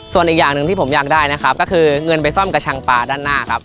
ส่วนอีกอย่างหนึ่งที่ผมอยากได้นะครับก็คือเงินไปซ่อมกระชังปลาด้านหน้าครับ